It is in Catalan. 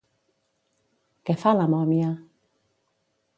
Què fa la mòmia?